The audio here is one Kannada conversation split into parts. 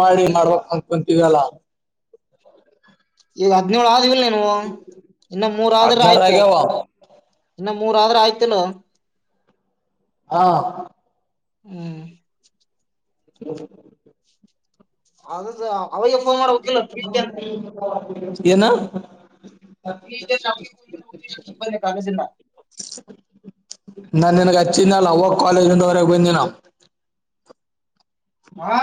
ಮಾಡಿ ಮಾಡ್ಬೇಕಕ್ ಅಕೊಂತೀವಲ್ಲ ಈದಿನೇಳಳ ಆದ ಇನ್ನು ಮೂರ ಆದ್ರ ಹದ್ನಾರ ಆಯ್ತು ಆಗ್ಯಾವ ಮೂರ ಆದ್ರ ಆಯ್ತಿಲ್ಲ ಹಾ ಹ್ಮ್ ಹ ಅದದು ಅವಾಗ ಫೋನ್ ಮಾಡ್ಬೇಕಿಲ್ಲ ೀಗೆ ಅಂತ ಏನ ಕಾಗಿಂದ ನಾು ನನಗೆ ಹಚ್ಚಿ ನಾಳು ಅವೋ ಕಾಲೇಜ್ ಮುಂದವರೆಗೆ ಬಂದಿನ ಆ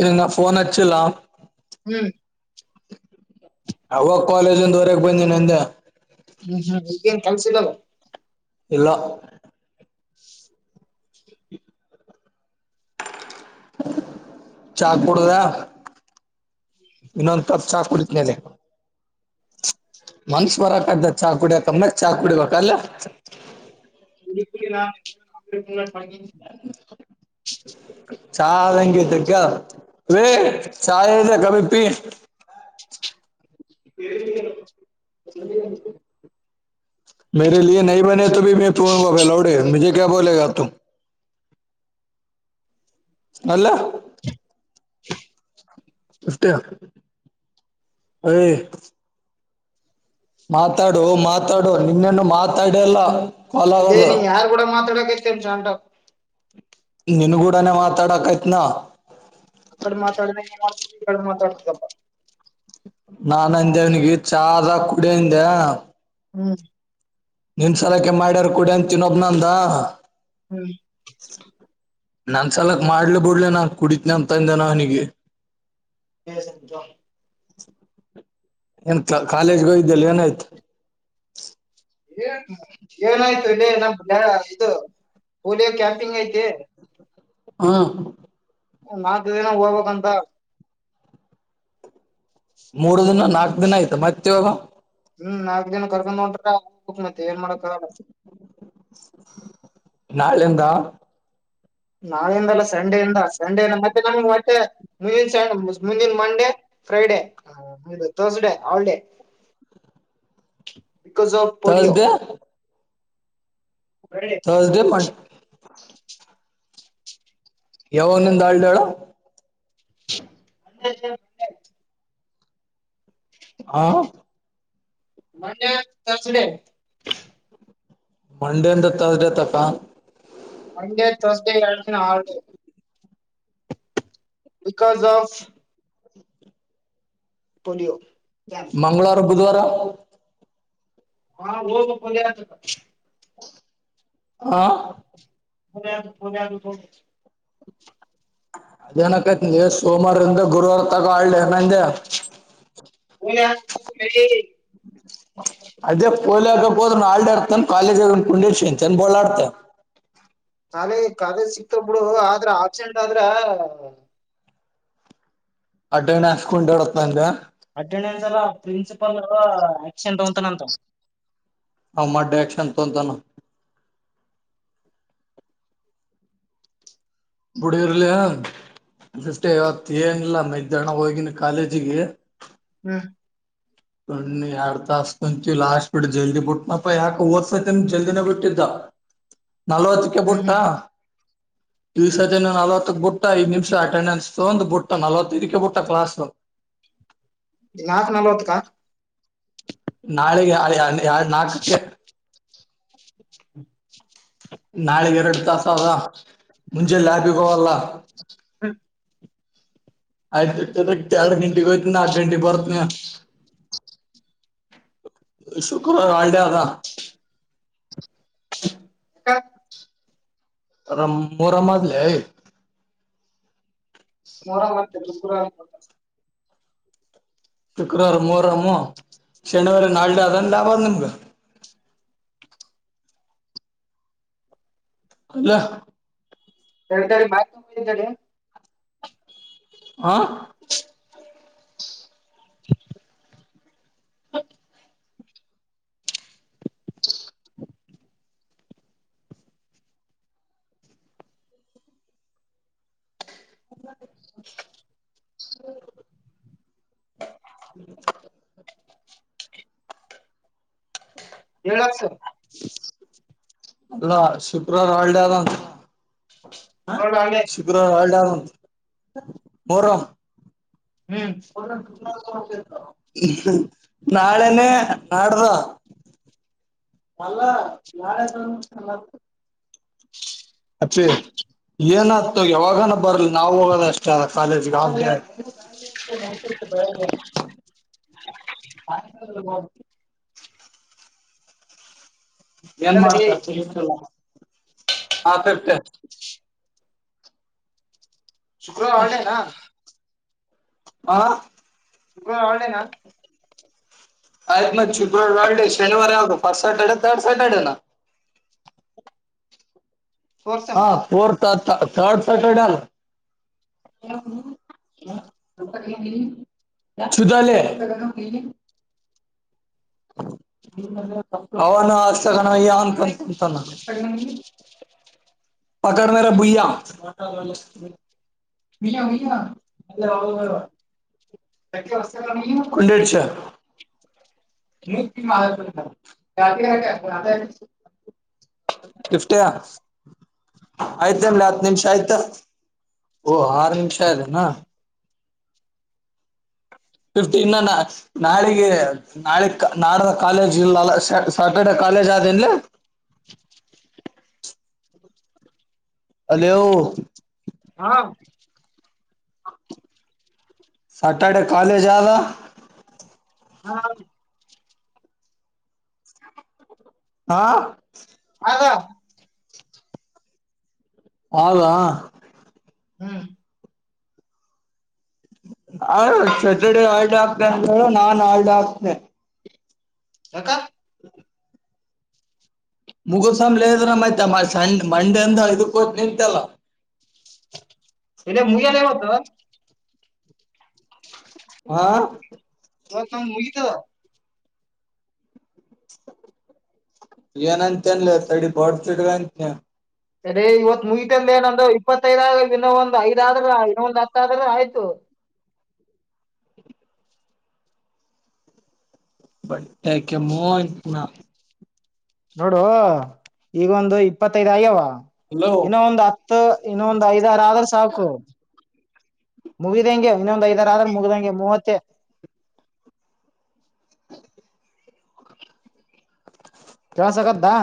ಇ ನಾ ಫನ್ ಅಚ್ಚಿಲ್ಲಾ ಹ್ಮ್ ಅವಾಗ ಕಾಲೇಜ್ ಒಂದ ಹೊರಗೆ ಬಂದ ನಂದ ಹ್ಮ್ ಹ್ಮ್ ಈಗೇನ್ ಕಲ್ಸಿದಾವ ಇಲ್ಲ [inaudible] ಚಾ ಕೊಡುದ ಇನ್ನೊಂದು ತ ಚಾ ಕುಡತ್ ಮೇಲೆ ಮನ್ಷ ಬರಕ್ದ ಚಹ ಕುಡಿಯಕಮ್ಮ ಚಾ ಕುಡಿಬೇಕಲ್ಲ ಹ್ಮ್ಮ್. ಹ ಚಂಗಗೆ ತಕ್ಕ ವೇ ಚಾಯದ ಕಮಪಿ ಮೇರೆ ಲ ನೀ ಬನೆ ತ ಭ ಮ ತಫನ್ಫೆಲೌಡೆೇ ಮುೆ ಕ ಬೋಲೆಗ ತು ಅಲ್ಲ ಷ್ಟ ಮಾತಾಡು ಮಾತಾಡು ನಿನ್ನೇನು ಮಾತಾಡಲ್ಲ ಅದೇ ನೀ ಯಾರಾರ್ು ಕೂಡ ಮಾತಾಡಕ ಂಜಾಂಡ ನಿನ್ಗೂಡನೆ ಮಾತಾಡಕ್ಯತ್ನಾ ಅಕ್ಕಡೆ ಮಾತಾಡದೆತಡೆ ಮಾತಾಡ್ತದಪ್ಪ ೇವನಿಗೆ ಚಾರಾ ಕುಡಿಯಿಂದೆ ಹ್ಮ್ ನಿನ್ ಸಲಕೆ ಮಾಡ್ಯಾರ ಕುೂಡ ಅಂತಿನೊಬ್ನಂದ ಹ್ಮ್ ನನ್ ಸಲಕ್ ಮಾಡ್ಲ ಬಿಡ್ಲೆ ನಾ ಕುಡಿತನ ಅಂತ ಅಂದನ ಅವನಿಗೆ ಬಸಂತ ಏನ್ ಕಾಲೇಜ್ಗೆ ಇದ್ದಲ್ಲ ಏನ ಆಯ್ತು ಏ ಏನಾಯ್ತು ಇಲ್ಲಿ ನಮ್ಮ ಇದು ಪೋಲೋ ಕ್ಯಾಂಪಿಂಗ್ ಐತಿ ಹಾ ನಾಲ್ಕು ದಿನ ಹೋಗ್ಬೇಕಂತ ಮೂರು ದಿನ ನಾಲ್ಕು ಅದಿನಯ್ತು ಮತ್ತೋೋಗ ಹ್ಮ್ ನಾಲ್ಕ್ು ದಿನ ಕರ್ಕೊಂಡ್ ನೋಡ್ರಕ್ ಮತ್ತ ಏನ್ ಮಾಡಕ್ ನಲ್ಲಂದ ನಾಳಿಂದಲ್ಲ ಸಂಡೇ ಇಿಂದ ಸಂಡಿಂದ ಮತ್ತೆ ನಮ ಮತ್ತೆ ಮುಂದಿನ ಸ ಮುಂದಿನ Monday Friday Thursday holiday because of ಪರಿಿಯೋ ತರ್ಸ್ಡೇ ಥರ್ಸ್ಡೆ ಪ ಯಾವ ಒಂದೊಂದ ಆಳ್ಡಾಳ ಅಂದಂದ ಹಾ ಮಂಡೆ ಸ್ಡ ಮಂಡೇಂತ ತರ್ಸ್ಡೇ ತಪ್ಪ ಹಗೆ ಳ್ ಆಳ ಬಿಕಾಸ್ ಆಫ್ ಪೊಲಿಯೋ ಮಂಗಳವಾರ ಬುಧವಾರ ಹಾ ಬಲತ ಹಾ ಹೊದದು ಹೊದದುಬ ಅದೇನಕೈತಿ ಸೋಮವಾರಂದ ಗುರುವಾರ ತಗ ಆಾೆ ಂತ ಅದೇ ಒಲ್ಲಾಗ ದ ನಾಡ ಅರ್ತ ಕಾಲೇಜ್ಂದು ಪುಂಡೇಶ ಶಂಚನ್ ಬೋಲಡ್ತ ನಾಲೆ ಕಾಲೇಜ್ ಸಿಕ್ತ್ ಬಿಿಡು ಆದ್ರ ಆಪ್ಸೆಂಟ್ ಆದ್ರ ಅಡ್ಡಣ ಹಸ್ಕೊಂಡಾಡತಂದ ಸ ಪ್ರಿನ್ಸಿಪಲ್ ನ ಆಕ್ಷಂಟ್ ಅತಾನಂತ ಹ ಮಾಡ ಆಕ್ಷನ್ ತೊಂತಾನ ಬುಡಿಗರ್ಲ ನಿಿಫ್ಟಿ ಐವತ್ತು ಏನಿಲ್ಲ ಮೈದನ ಹೋಗಿನ ಕಾಲೇಜಿಗೆ ಹಾ ಕಣ್ಣ ಎರಡ್ ತಸ್ ಕುಂತೀವಿ ಲಾಸ್ಟ್ ಬಿಟ್ಟ ಜಲ್ದಿ ಬಿಟ್ಟನಪ್ಪ ಯಾಕ ಓದ್ಸತಿನ್ ಜಲ್ದಿನ ಬಿಟ್ಟಿದ್ದ ನಲ್ವತ್ತಕ್ಕೆ ಹ್ಮ್ ಹ್ಮ್ ಬಿಟ್ಟಾ ಹ್ಮ್ ದಿವ್ಸದಿನ ನಲ್ವತ್ತಕ್ ಬುಟ್ಟ ಐದ್ ನಿಮಿಷ ಅಟೆಂಡೆನ್ಸ್. ತೊಗೊಂಡ ಬುಟ್ಟ ನಲವತ್ತ ಇದಕ್ಕೆ ಬುಟ್ಟ ಕ್ಲಾಸ್ ನಾಲ್ಕು ನಲ್ವತ್ತುಕಾ. ನಾಳೆೆಗ [inaudible] ಎರಡ ನಾಲ್ಕಕ್ಕೆ [unintelligible] ನಾಳೆವ ಎರಡು ತಾಸ ಅದ ಜಲ್ಲ ಲ್ಯಾಬ್ಗೆ ಹೋಗಲ್ಲ ಆಯ್ತುಟ್ಟ ಎರಡ್ ಗಂಟೆಗೆ ಹೋಯ್ತುನೀ ನಾಕ ಗಂಟೆಗೆ ಬರ್ತ್ನನೀ ಶುಕ್ರವಾರ ಹಾಲಿಡೇ ಅದ ಯಾಕ ರ ಮೊಹರಂ ಆದಲೆ ಮೊಹರಂ ಆದ [unintelligible] ಶುಕ್ರವಾರ ಮೊಹರಮ್ ಶನಿವಾರ ನಾಳೆದ ಲಾಭ ನಿಮ್ಗ ಅಲ್ಲ [unintelligible] ಹಾ [unintelligible] ಹ್ [unintelligible] ಹೇಳ ಅಕ್ಷಿ ಅಲ್ಲ ಶುಕ್ರವಾರ ಹಾಲಿಡೇ ಅದ ಅಂತ ಹ ಶುಕ್ರವಾರ ಹಾಲಿಡೇ ಅದ ಅಂತ ಮೊಹರಂ ಹ್ಮ್ [inaudible] ನಾಳೆನೇ ನಾಡದ ಮಲ್ಲ ನಾಳೆ ಸಮಲ್ಲ [inaudible] ಅಪ್ಪಿ ಏನತು ಯಾವಾಗನ ಬರ್ಲಿ ನಾವ್ ಹೋಗದ ಅಷ್ಟೇ ಅ ಕಾಲೇಜಗ ಏನ್ ಮಾಡೋದ್ [inaudible] ಹಾಕಿರ್ತೇನಿ ಶುಕ್ರವಾರ ಹಾಲಿಡೇ ನಾ ಹಾ ಶುಕ್ರವಾರ ಹಾಲಿಡೇ ನಾ. ಆಯ್ತ್ ಮತ್ ಶುಕ್ರವಾರ ಹಾಲಿಡೇ ಶನಿವಾರ ಯಾವ್ದ ಫಸ್ಟ್ ಸ್ಯಾಟರ್ಡೆ ಥರ್ಡ್ ಸ್ಯಾಟರ್ಡನ. ತೋರ್ಸಂ ಹಾ ಫೋರ್ಥ್ ಥರ್ಡ್ ಸಾಟರ್ಡೆ ಆದ [unintelligible] [inaudible] ಅವವನಯ್ಯ ಅಂತಂತ ಪಕಡ ಮೇರೆ ಬುಯ್ಯ. ಆಯ್ತಮ ಹತ್ತು ನಿಮಿಷ ಆಯ್ತಾ. ಓಹ ಆರು ನಿಮಿಷ ಆದೆನಾ. ಫಿಫ್ಟೀನ್ ನಾಳಿಗೆ ನಾಳೆ ನಾಡ ಕಾಲೇಜ್ ಇಲ್ಲಲ್ಲ ಸ್ಯಾಟರ್ಡೆ ಕಾಲೇಜ್ ಆದನ್. ಅಲೋ. ಹಾ [inaudible] ಸಟರ್ಡೆ ಕಾಲೇಜ ಆದದ. ಹಾ. ಹಾ. ಹ. ಹೌದಾ. ಹ್ಮ್. ಹಯ ಸ್ಯಾಟರ್ಡೆ ಆಲ್ಡ ಆಗ್ತೆ ಅಂತೇಳು ನಾನ್ ಆಲ್ಡ ಆಕ್ತತೆನೆ. ಹಕ. [inaudible] ಮುಗುಸ್ಲದ್ರ ಮ ಸ್ ಮಂಡಿಂದ ಇದಕ್ಕ ಹತ್ ನಿಂತೆಲ್ಲ. ಇಲ್ಲ ಮುಗಿಯಾಲ ಇವತ. ಹಾ. ಹ ತ ಮುಗಿತ. ನಂತ ಚನಲ್ಲ ತಡಿ ಬಡ್ ಚಿಡಗಂತ. ಅರೇ ಇವತ್ ಮುಗಿತಂದ ಏನಂದ ಇಪ್ಪತ್ತೈದ್ ಇನ್ನೊ ಒಂದ್ ಐದ ಆದ್ರ ಇನ್ನೊ ಒಂದ್ ಹತ್ತ ಆದ್ರ ಆಯ್ತು. ಬಟ್ಟಕ ಮೋನ್. ನೋಡು ಈಗೊಂದು ಇಪ್ಪತ್ತೈದ್ ಆಯ್ಯವ. ಹಲೋ ಇನ್ನ ಒಂದು ಹತ್ತು. ತ. ಇನ್ನೊಂದ್ ಐದ್ ಆಾರ ಆದ್ರ ಸಾಕು. ಮುಗಿದಂಗೆ ಇನ್ನೊಂದು ಐದರ ಆದ್ರ ಮುಗಿದಂಗೆ ಮೂವತ್ತ. ಕೆಳಸಗ್ದಾ.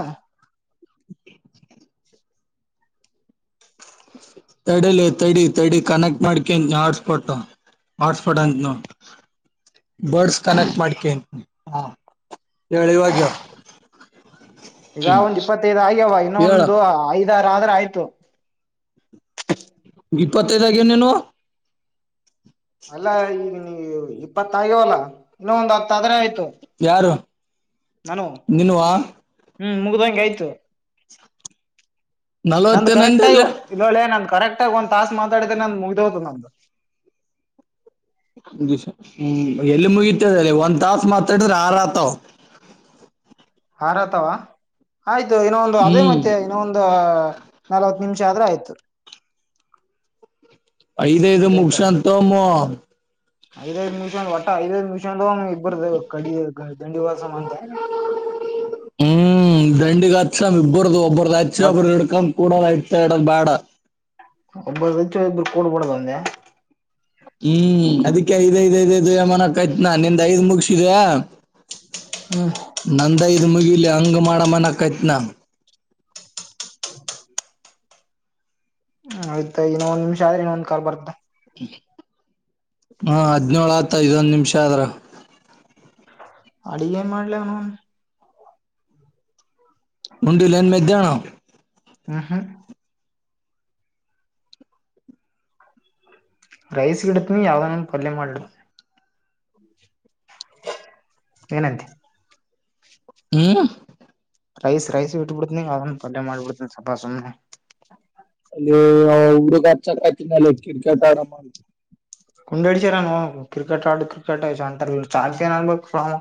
ತಡಲಿ ತಡಿ ತಡಿ ಕನೆಕ್ಟ್ ಮಾಡ್ಕಂತ ಹಾಟ್ಸ್ಪಾಟ್ ಹಾಟ್ಸ್ಪಾಟ್ ಅಂತ ಬರ್ಡ್ಸ್ ಕನೆಕ್ಟ್ ಮಾಡ್ಕಂತನ ಹ ಹೇಳ ಇವಾಗ್ಯ. ಈಗ ಒಂದ್ ಇಪ್ಪತ್ತೈದು ಆಗ್ಯವ ಹೇಳ ಹೇಳ ಇನ್ನೊಂದು ಐದಾರ. ಆಯ್ತು. ಇಪ್ಪತ್ತೈದಾಗ ನೇನು. ಅಲ್ಲಾ ಈಗ. ಇಪ್ಪತ್ತಗ್ಯವಲ್ಲಾ ಇನ್ನು ಒಂದ್ ಹತ್ತ ಆದ್ರೆ ಆಯ್ತು. ಯಾರು. ನಾನು ನಿನ್ನು ಹ್ಮ್ ಮುಗ್ದಂಗೆ ಆಯ್ತು. ನಂದು ಕರೆಕ್ಟ್ಯ ನಲ್ವತ್ತೇನಂದಲ್ಲ ಇಳ್ಳೆ ನಂದ. ಕರೆಕ್ಟ್ ಆಗ ಒಂದ್ ತಾಸಸ್ ಮಾತಾಡಿದೇನೆ ನ ಮುಗ್ದ ಹದು ನಮ್ದು. ದ ಹ್ಮ ಎಲ್ಲಿ ಮುಗತದ ಒಂದ್ ತಾಸ ಮಾತಾಡ್ರ ಆರ ಆತವ. ಹಾರತವಾ. ಆಯ್ತು ಇನ್ನೊ ಒಂದು ಅದೇ ಹ್ಮ್ ಮತ್ತೆ ಇನ್ನೊ ಒಂದು. ನಲ್ವತ್ ನಿಮಿಷ ಆದ್ರೆ ಆಯ್ತು ಐದ್ ಐದು ಮುಗಸ ಅಂತಮ್ಮ ಐದೈಐ ಮಿಷ ಒಟ್ಟ ಐದೈದು ಮಿ ಇಬರ ಕಡಿ ದಂಡವಸಾಮನ್ತ ಸ ಇಬ್ಬರುದು ಒಬ್ಬರು ಪ್ರದು ಅವರಡುಕಾ ಕೂಡಲ ಇತ ಇಡ ಬೇಡ ಒಬ್ಬ ಹೆಚ್ಚ ಒಬ್ರು ಕೂಡ್ಬಡ್ದ ಒಂದೆ ಹ್ಮ್ ಅದಿ ಐದ್ ಐದ್ ಐದಐದು್ ಯಮಾನಕ ಆಯ್ತ್ ನ ನಿಂದ್ ಐದ್ ಮುಗಸಿದ ಹ್ಮ್ ನಂದ ಇದು ಮುಗಿ ಇ ಅಂಗ ಮಾಡಡ ಮನ್ನ ಕಾಯತ್ನಾ ಆಯ್ತಾ ಇನ್ನೊಂದ ನಿಮಷ ಆದ್ರೆ ಇನ್ನೊಂದ್ ಕಾರ್ ಬರ್ತ್ತಾ ಹಾ ಹದ್ಿನೋಳ್ು ಆತ ಐದೊಂದ್ ನಿಮಿಷ ಆದ್ರ ಅಳಗ ನ್ ಮಾಡ್ಲವ್ ನನ್ ಮುಂಡಿ ಲೈನ್ ಮ ಇದ್ದಣ ಹ್ಮ್ ಹ್ಮ್ ರೈಸ್ ಗಿಡತನ ಯಾವ್ದನ್ ಪಲ್ಯ ಮಾಡಿಡಿ ಏನಂತೆ ಹ್ಮ್ ರೈಸ್ ರೈಸ್ ಬಿ ಬಿಡ್ತನ ಮಾಡಬ ಸಪಾಸ ಅಲ್ಲಿ ಹುಡುಗ ಹತಿನ ಕಿಟಕಟ್ ಆರಾಮ ಮಾಡು ಕುಂಡ ಹಡ್ಸರ ಕ್ರಿಕೆಟ್ ಆಡು ಕ್ರಿಕೆಟ್ಂತ ಚಾರ್ ಏನ್ ಅನ್ಬೇಕು ಫ್ರಾಮ್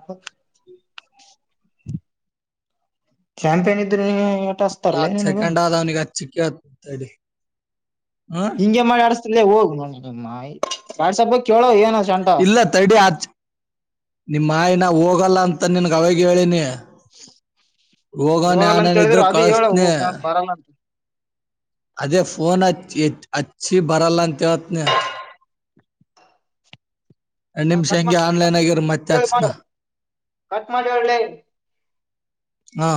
ಕ್ಯಾಂಪ್ ಏನ ಇದ್ರು ನೀಗೆ ಹತ್ತು ಸೆಕೆಂಡಾದವನಿಗೆ ಹತ್ತು ಸಿಕ್ಕಾಯಿತಡಿ ಹಿಂಗೆ ಮಾಡ್ ಅಡ್ಸ್ ಹೋಗ್ ನ ವಾಟ್ಸಆಪ್ ಕೇಳೋ ಏನ ಶಂಟ ಇಲ್ಲ ತಡಿ ಆಚ್ ನಿಮ್ಮ ಮಾಯಿನ ಹೋಗ ಹೋಗಲ್ಲ ಅಂತ ನಿನ್ಗ ಅವಾಗ ಹೇಳಿನಿ ಹೋಗೋ ಹೋಗಲ್ಲ ಅಂತ ಯಾನನ್ ಇದ್ರ ಹೇಳಿದ್ರರು ಅದ ಹೇಳ ಕಳಿಸ್ತೀನಿ ಹನ್ ಬರಲ್ಲ ಅಂತ ಅದೇ ಫೋನ ಹಚ್ಚಿ ಎತ್ತಿ ಅಚ್ಚಿ ಬರಲ್ಲಂತೆವತ್ನ ಹ ಕಾ ಮತ್ತೆ ಕ ಹಚ್ಚತ್ನ ಕಾಠ್ಮ [unintelligible] ಹಾ